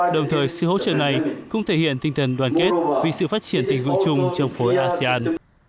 đồng thời sự hỗ trợ này cũng thể hiện tinh thần đoàn kết vì sự phát triển tình vụ chung trong khối asean